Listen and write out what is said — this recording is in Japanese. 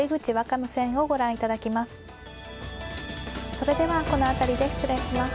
それではこの辺りで失礼します。